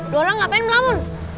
dua orang ngapain melamun